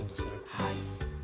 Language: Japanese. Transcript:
はい。